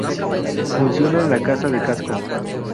Funciona en la Casa de Casco.